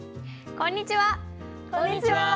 こんにちは。